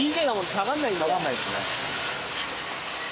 下がんないですね。